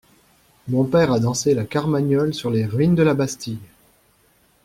Mon père a dansé la carmagnole sur les ruines de la Bastille!